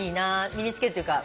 身に着けるというか。